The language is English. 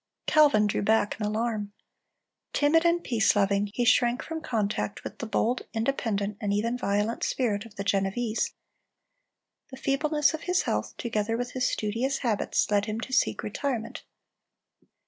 Calvin drew back in alarm. Timid and peace loving, he shrank from contact with the bold, independent, and even violent spirit of the Genevese. The feebleness of his health, together with his studious habits, led him to seek retirement.